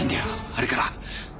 あれから。